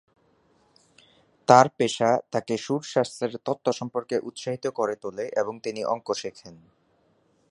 তাঁর পেশা তাকে সুর-শাস্ত্রের তত্ত্ব সম্পর্কে উৎসাহিত করে তোলে এবং তিনি অঙ্ক শেখেন।